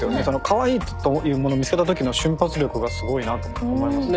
かわいいというもの見つけたときの瞬発力がすごいなと思いました。